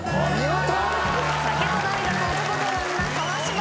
お見事。